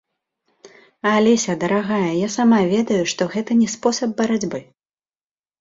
Алеся, дарагая, я сама ведаю, што гэта не спосаб барацьбы!